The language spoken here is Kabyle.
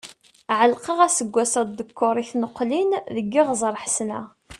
Ɛelqeɣ aseggas-a dekkeṛ i tneqlin deg Iɣzeṛ Ḥesna.